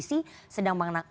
sedang menangani penyebaran virus